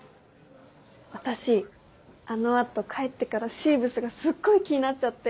私あの後帰ってからシーブスがすっごい気になっちゃって。